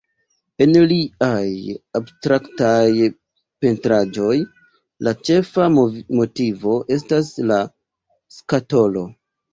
En liaj abstraktaj pentraĵoj la ĉefa motivo estas la skatolo.